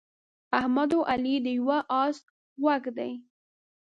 احمد او علي د یوه اس غوږ دي.